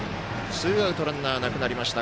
ツーアウトランナーなくなりました